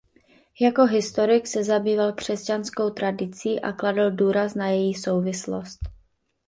Jako historik se zabýval křesťanskou tradicí a kladl důraz na její souvislost.